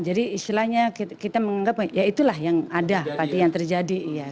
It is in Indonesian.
jadi istilahnya kita menganggap ya itulah yang ada yang terjadi